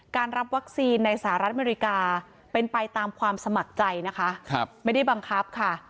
รับวัคซีนในสหรัฐอเมริกาเป็นไปตามความสมัครใจนะคะไม่ได้บังคับค่ะ